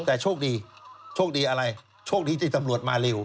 แต่โชคดีโชคดีอะไรโชคดีที่ตำรวจมาเร็ว